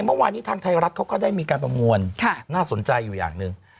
เมื่อวานนี้ทางไทยรัฐเขาก็ได้มีการประมวลน่าสนใจอยู่อย่างหนึ่ง